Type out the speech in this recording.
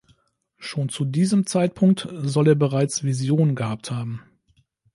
Schon zu diesem Zeitpunkt soll er bereits Visionen gehabt haben.